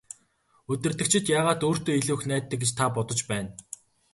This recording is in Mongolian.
Удирдагчид яагаад өөртөө илүү их найддаг гэж та бодож байна?